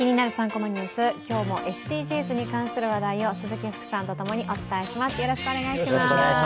３コマニュース」、今日もＳＤＧｓに関する話題を鈴木福さんとともにお伝えします。